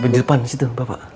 di depan situ bapak